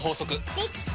できた！